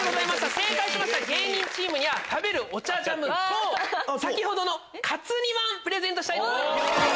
正解しました芸人チームには食べるお茶ジャムと先ほどのカツ煮まんプレゼントしたいと思います。